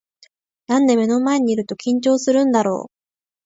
なんで目の前にいると緊張するんだろう